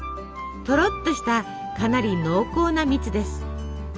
とろっとしたかなり濃厚な蜜です。